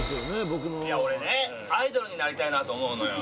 僕のいや俺ねアイドルになりたいなと思うのよ